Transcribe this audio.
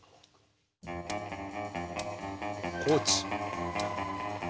高知。